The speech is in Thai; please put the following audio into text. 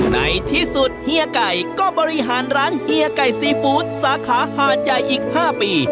ในที่สุดเฮียไก่ก็บริหารร้านเฮียไก่ซีฟู้ดสาขาหาดใหญ่อีก๕ปี